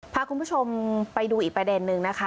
พาคุณผู้ชมไปดูอีกประเด็นนึงนะคะ